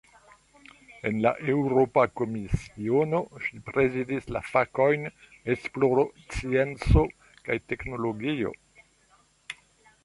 En la Eŭropa Komisiono, ŝi prezidis la fakojn "esploro, scienco kaj teknologio".